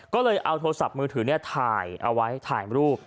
ก็เลยเอาโทรศัพท์มือถือถ่ายเอาไว้ถ่ายรูป